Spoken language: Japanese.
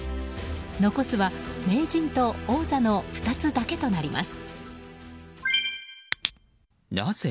残すは、名人と王座の２つだけとなります。